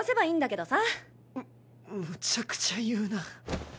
むむちゃくちゃ言うな。